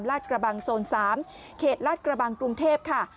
กระบังโซน๓เขตลาดกระบังกรุงเทพค่ะ